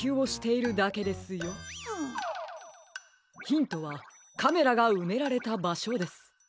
ヒントはカメラがうめられたばしょです。